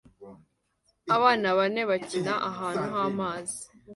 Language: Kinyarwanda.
Abana bane bakina ahantu h'amazi